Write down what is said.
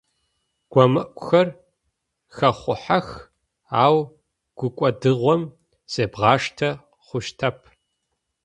Гомыӏухэр хэхъухьэх, ау гукӏодыгъом зебгъаштэ хъущтэп.